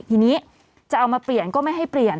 ทีนี้จะเอามาเปลี่ยนก็ไม่ให้เปลี่ยน